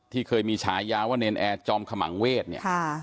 เคยมีฉายาว่าเนรนแอร์จอมขมังเวศเนี่ย